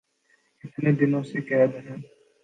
اتنے دنوں سے قید ہیں